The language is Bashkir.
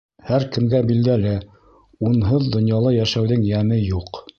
Һәр кемгә билдәле, унһыҙ донъяла йәшәүҙең йәме юҡ.